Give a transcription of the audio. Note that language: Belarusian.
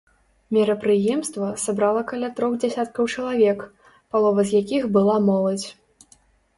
Мерапрыемства сабрала каля трох дзясяткаў чалавек, палова з якіх была моладзь.